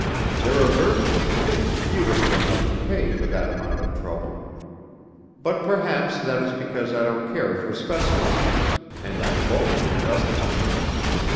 There are very few things beautiful enough to pay for that amount of trouble. But perhaps that is because I don't care for specimens, and I loathe dusting."